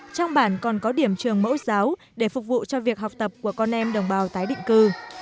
trong bản còn có điểm trường mẫu giáo để phục vụ cho việc học tập của con em đồng bào tái định cư